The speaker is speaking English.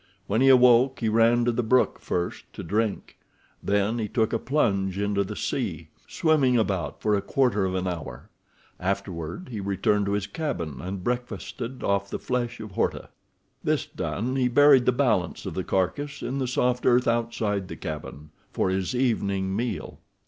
When he awoke he ran to the brook first to drink. Then he took a plunge into the sea, swimming about for a quarter of an hour. Afterward he returned to his cabin, and breakfasted off the flesh of Horta. This done, he buried the balance of the carcass in the soft earth outside the cabin, for his evening meal.